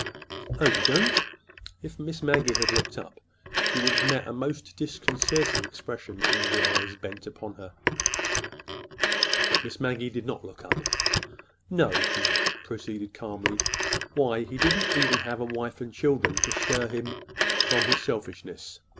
"Oh, you don't!" If Miss Maggie had looked up, she would have met a most disconcerting expression in the eyes bent upon her. But Miss Maggie did not look up. "No," she proceeded calmly. "Why, he didn't even have a wife and children to stir him from his selfishness.